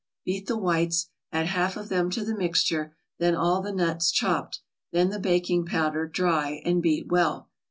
Beat the whites, add half of them to the mixture, then all the nuts, chopped, then the baking powder, dry, and beat well.